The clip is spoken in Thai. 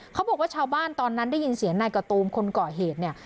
ชาวบ้านตอนนั้นได้ยินเสียงนายกะตูมคนก่อเหตุเนี่ย